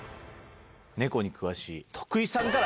ネコに詳しい徳井さんから。